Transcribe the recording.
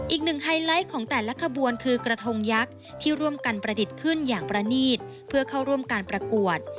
ไฮไลท์ของแต่ละขบวนคือกระทงยักษ์ที่ร่วมกันประดิษฐ์ขึ้นอย่างประนีตเพื่อเข้าร่วมการประกวด